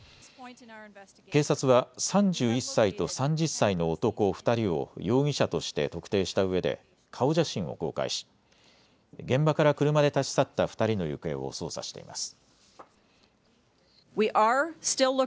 警察は３１歳と３０歳の男２人を容疑者として特定したうえで顔写真を公開し現場から車で立ち去った２人の行方を捜査しています。